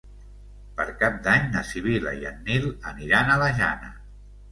Per Cap d'Any na Sibil·la i en Nil aniran a la Jana.